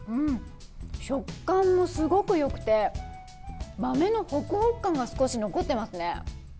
食感もすごく良くて豆のホクホク感が少し残っていますね。